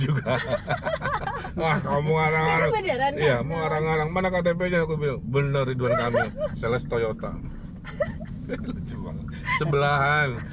juga hahaha wah kamu orang orang mana ktp nya aku bener ridwan kamil seles toyota sebelahan